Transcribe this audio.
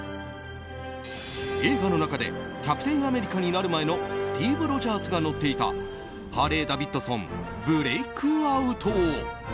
映画の中でキャプテン・アメリカになる前のスティーブ・ロジャースが乗っていたハーレーダビッドソンブレイクアウト。